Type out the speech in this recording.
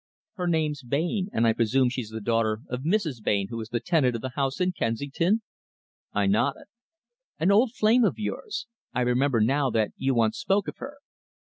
"Her name's Blain, and I presume she's the daughter of Mrs. Blain who is tenant of that house in Kensington?" I nodded. "An old flame of yours. I remember now that you once spoke of her."